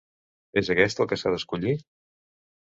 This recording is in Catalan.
És aquest el que s"ha d"escollir?